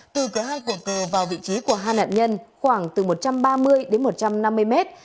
từ cửa hai của cờ vào vị trí của hai nạn nhân khoảng từ một trăm ba mươi đến một trăm năm mươi mét